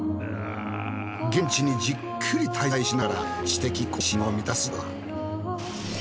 現地にじっくり滞在しながら知的好奇心を満たすツアー。